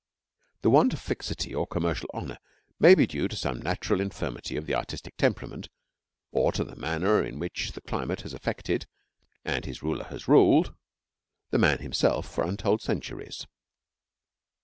The want of fixity or commercial honour may be due to some natural infirmity of the artistic temperament, or to the manner in which the climate has affected, and his ruler has ruled, the man himself for untold centuries.